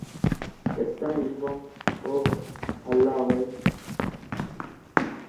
எத்தனை இன்பம் ஒ அல்லாவே!